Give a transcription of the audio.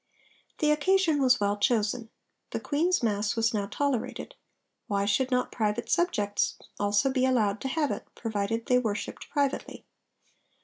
The occasion was well chosen. The Queen's mass was now tolerated: why should not private subjects also be allowed to have it, provided they worshipped privately?